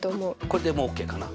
これでもうＯＫかな？